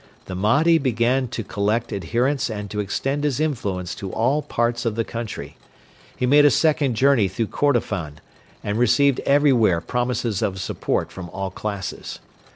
The Mahdi began to collect adherents and to extend his influence in all parts of the country. He made a second journey through Kordofan, and received everywhere promises of support from all classes.